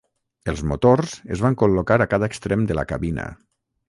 Els motors es van col·locar a cada extrem de la cabina.